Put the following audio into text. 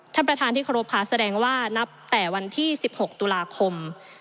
ท่านประธานที่เคารพค่ะแสดงว่านับแต่วันที่๑๖ตุลาคม